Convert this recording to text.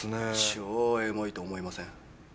超エモいと思いません？